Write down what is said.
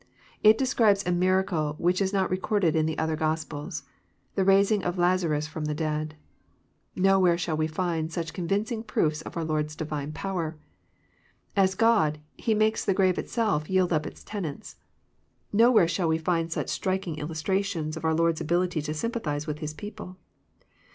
It describes a miracle which is not recorded in the other Grospels, — the raising of Lazarus from the dead. Nowhere shall we find such convincing proofs of oar Lord's Divine power. As God, He makes the grave itself yield up its tenants. — ^Nowhere shall we find such striking illustrar tions of oar Lord's ability to sympathize with His people.